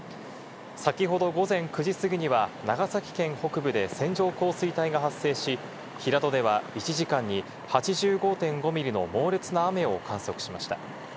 先ほど午前９時過ぎには長崎県北部で線状降水帯が発生し、平戸では１時間に８５．５ミリの猛烈な雨を観測しました。